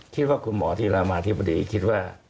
คิดว่าคุณหมอที่รามาธิบดีคิดว่า